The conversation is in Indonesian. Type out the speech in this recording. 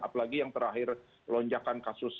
apalagi yang terakhir lonjakan kasus